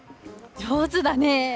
上手だね。